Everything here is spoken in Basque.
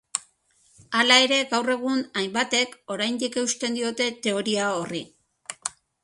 Hala ere, gaur egun, hainbatek oraindik eusten diote teoria horri.